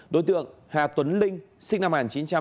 đối tượng hà tuấn linh sinh năm một nghìn chín trăm tám mươi